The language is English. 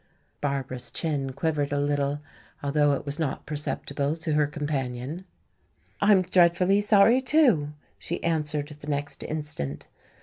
Barbara's chin quivered a little, although it was not perceptible to her companion. "I am dreadfully sorry too," she answered the next instant.